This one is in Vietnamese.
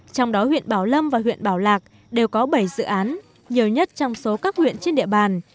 trong đó huyện bảo lâm và huyện bảo lạc đều có bảy dự án nhiều nhất trong số các huyện trên địa bàn